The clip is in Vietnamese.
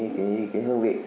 cái hương vị